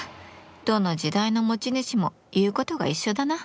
どの時代の持ち主も言うことが一緒だな。